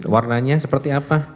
warnanya seperti apa